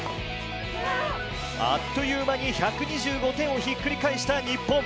あっという間に１２５点をひっくり返した日本。